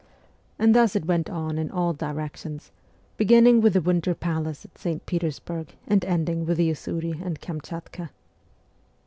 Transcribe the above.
And thus it went on in all directions, beginning with the winter palace at St. Petersburg and ending with the Usuri and Kamchatka.